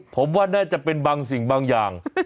ผมว่าน่าจะเป็นบางสิ่งบางอย่าง